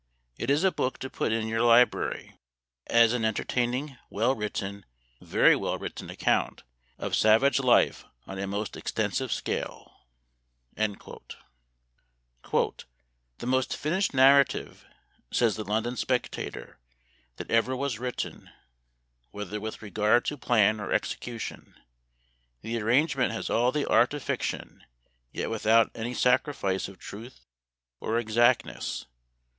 It is a book to put in your library as an entertaining, well written — very well written account of savage life on a most extensive scale." Memoir of Washington Irving. 231 "The most finished narrative," says the " London Spectator," " that ever was written, whether with regard to plan or execution. The arrangement has all the art of fiction, yet with out any sacrifice of truth or exactness.